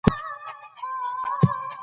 د زیرمې زیاتوالی تل ښه نه وي.